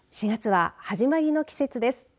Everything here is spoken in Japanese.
４月は始まりの季節です。